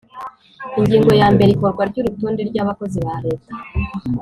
Ingingo ya mbere Ikorwa ry urutonde rw abakozi ba leta